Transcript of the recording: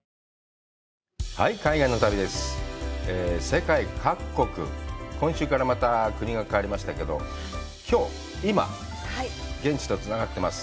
世界各国、今週からまた国が変わりましたけど、きょう、今、現地とつながってます。